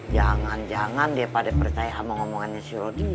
jangan jangan dia pada percaya sama ngomongannya si rodi